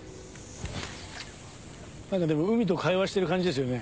海と会話してる感じですよね。